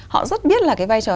họ rất biết là cái vai trò